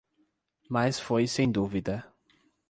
Mas foi sem dúvida.